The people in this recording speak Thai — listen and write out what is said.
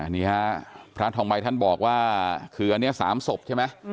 นี่ฮะพระทองใบท่านบอกว่าคืออันนี้๓ศพใช่ไหม